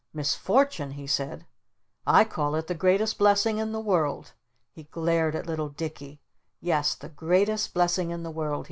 "Misfortune?" he said. "I call it the greatest blessing in the world!" He glared at little Dicky. "Yes the greatest blessing in the world!"